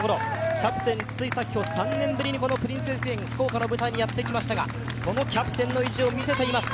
キャプテン・筒井咲帆、３年ぶりにプリンセス駅伝福岡の地にやってきましたがこのキャプテンの意地を見せています。